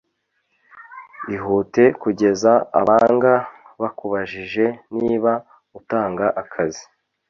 ihute kugeza abanga bakubajije niba utanga akazi.